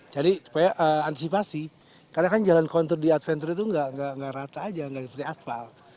jadi supaya antisipasi karena kan jalan kontur di adventure itu nggak rata aja nggak seperti asfal